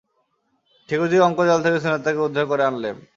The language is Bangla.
ঠিকুজির অঙ্কজাল থেকে সুনেত্রাকে উদ্ধার করে আনলেম।